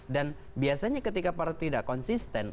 dan biasanya ketika partai tidak konsisten